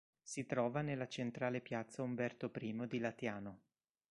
Si trova nella centrale piazza Umberto I di Latiano.